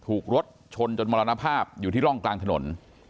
ถูกรถชนจนมรณภาพอยู่ที่ร่องกลางถนน